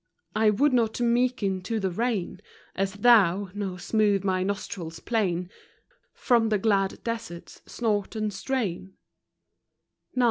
I would not meeken to the rein, As thou, nor smooth my nostril plain From the glad desert's snort and strain.